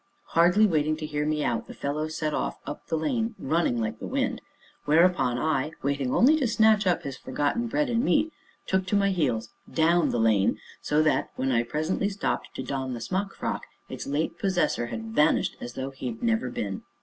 Hardly waiting to hear me out, the fellow set off up the lane, running like the wind; whereupon, I (waiting only to snatch up his forgotten bread and meat) took to my heels down the lane, so that, when I presently stopped to don the smock frock, its late possessor had vanished as though he had never been.